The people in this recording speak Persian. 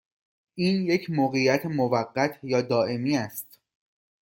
این یک موقعیت موقت یا دائمی است؟